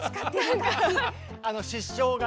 失笑が。